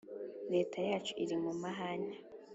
leta yacu iri mu mahane